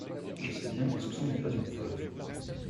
Je sais bien qu’un soupçon n’est pas une preuve.